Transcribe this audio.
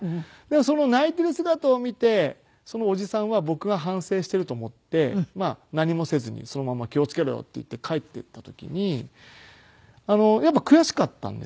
その泣いている姿を見てそのおじさんは僕が反省していると思って何もせずにそのまま「気を付けろよ」って言って帰って行った時にやっぱり悔しかったんですよ。